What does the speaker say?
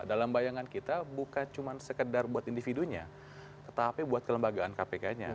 dalam bayangan kita bukan cuma sekedar buat individunya tetapi buat kelembagaan kpk nya